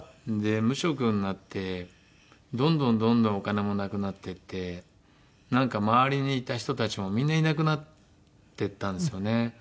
無職になってどんどんどんどんお金もなくなっていってなんか周りにいた人たちもみんないなくなっていったんですよね。